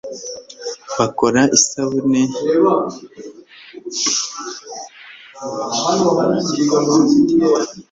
Bakora amavuta yo guteka bakoresheje isabune mururwo ruganda.